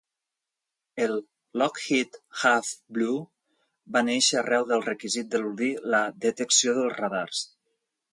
El "Lockheed Have Blue" va néixer arrel del requisit d'eludir la detecció dels radars.